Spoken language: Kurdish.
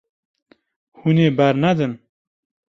Hûn ê bernedin.